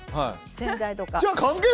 洗剤とか。